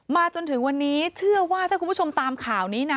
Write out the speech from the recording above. จนถึงวันนี้เชื่อว่าถ้าคุณผู้ชมตามข่าวนี้นะ